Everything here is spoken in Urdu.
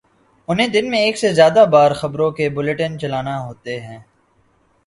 انہیں دن میں ایک سے زیادہ بار خبروں کے بلیٹن چلانا ہوتے ہیں۔